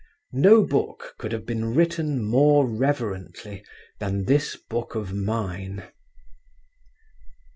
No book could have been written more reverently than this book of mine.